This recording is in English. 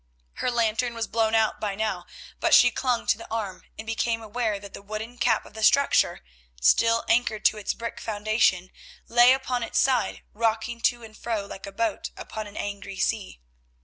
Her lantern was blown out by now, but she clung to the arm, and became aware that the wooden cap of the structure, still anchored to its brick foundation, lay upon its side rocking to and fro like a boat upon an angry sea.